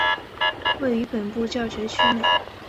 位于本部教学区内。